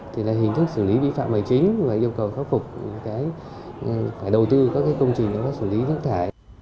hình thức xử lý bị phạm hồi chính và yêu cầu khắc phục các công trình xử lý vấn thải